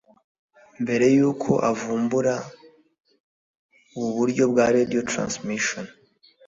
Mbere y’uko avumbura ubu buryo bwa radio transmission